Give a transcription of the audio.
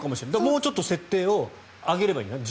もうちょっと設定を上げればいいんだね。